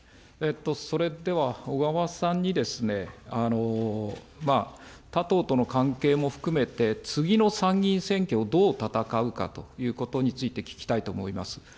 それでは、小川さんに、他党との関係も含めて、次の参議院選挙をどう戦うかということについて、聞きたいと思います。